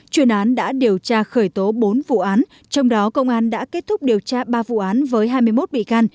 chuyên án đã điều tra khởi tố bốn vụ án trong đó công an đã kết thúc điều tra ba vụ án với hai mươi một bị can